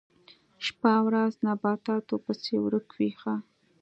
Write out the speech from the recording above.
شپه او ورځ نباتاتو پسې ورک وي ښه.